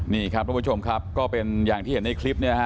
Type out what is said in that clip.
นี่ครับทุกผู้ชมครับก็เป็นอย่างที่เห็นในคลิปเนี่ยฮะ